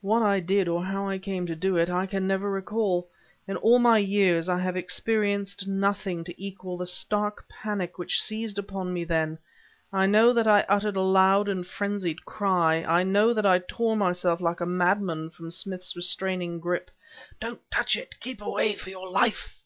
What I did or how I came to do it, I can never recall. In all my years I have experienced nothing to equal the stark panic which seized upon me then. I know that I uttered a loud and frenzied cry; I know that I tore myself like a madman from Smith's restraining grip... "Don't touch it! Keep away, for your life!"